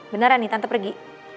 beneran nih tante pergi